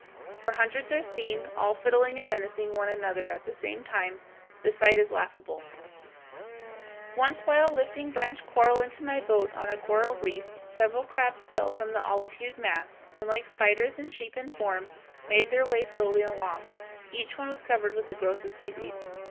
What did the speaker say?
Where hundreds are seen, all fiddling and menacing one another at the same time, the sight is laughable. [Illustration: FIG. 149. Fiddler crab.] [Illustration: FIG. 150. Spider crab.] Once while lifting branch coral into my boat on a coral reef, several crabs fell from the olive hued mass, and like spiders in shape and form, made their way slowly along. Each one was covered with a growth of seaweed.